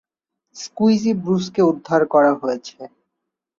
Squeegee ব্রুসকে উদ্ধার করা হয়েছে।